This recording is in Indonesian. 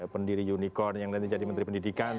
pendiri unicorn yang nanti jadi menteri pendidikan